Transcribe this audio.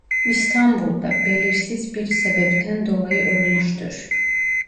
İstanbul'da belirsiz bir sebepten dolayı ölmüştür.